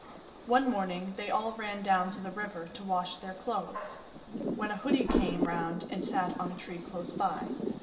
One morning they all ran down to the river to wash their clothes, when a hoodie came round and sat on a tree close by.